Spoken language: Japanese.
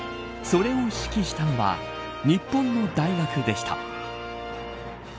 それを指揮したのは日本の大学でした。